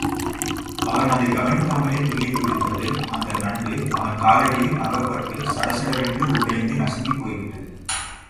அவன் அதைக் கவனிக்காமலே துள்ளிக் குதித்ததில் அந்த நண்டு அவன் காலடியில் அகப்பட்டுச் சடசடவென்று உடைந்து நசுங்கிப் போய்விட்டது.